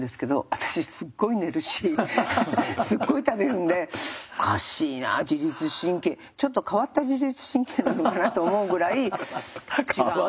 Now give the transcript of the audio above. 私すっごい寝るしすっごい食べるんでおかしいな自律神経ちょっと変わった自律神経なのかなと思うぐらい違うなあ。